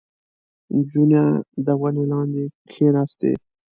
• نجونه د ونې لاندې کښېناستې.